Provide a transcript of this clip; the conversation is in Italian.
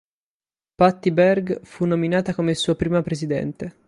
Patty Berg fu nominata come sua prima presidente.